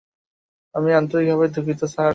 আমি আন্তরিকভাবে দুঃখিত, স্যার!